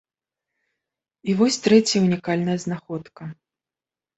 І вось трэцяя ўнікальная знаходка.